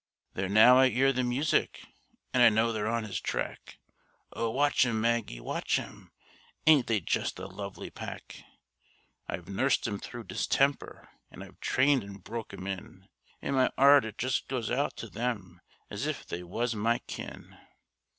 There now I 'ear the music, and I know they're on his track; Oh, watch 'em, Maggie, watch 'em! Ain't they just a lovely pack! I've nursed 'em through distemper, an' I've trained an' broke 'em in, An' my 'eart it just goes out to them as if they was my kin.